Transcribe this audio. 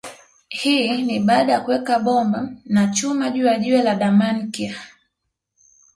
Hii ni baada ya kuweka bomba na chuma juu ya jiwe la Damankia